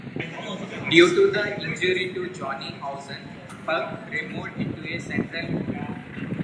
Due to the injury to Jonny Howson, Pugh moved into a central midfield position.